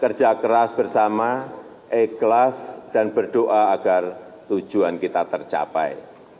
kerja keras bersama ikhlas dan berdoa agar tujuan kita tercapai